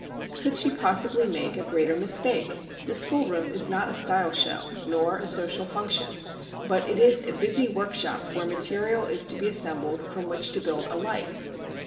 Could she possibly make a greater mistake? The school room is not a style show, nor a social function, but it is a busy workshop where material is to be assembled from which to build a life.